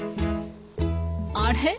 あれ？